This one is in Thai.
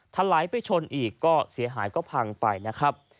ถลายไปชนอีกก็เสียหายก็พังไปนะครับ